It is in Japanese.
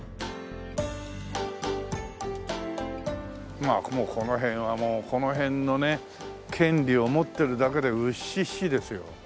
まあこの辺はもうこの辺のね権利を持ってるだけでウッシッシですよ。